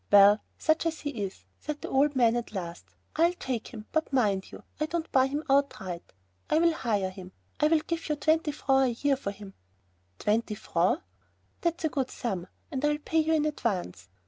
"Well, such as he is," said the old man at last, "I'll take him, but mind you, I don't buy him outright. I'll hire him. I'll give you twenty francs a year for him." "Twenty francs!" "That's a good sum, and I'll pay in advance."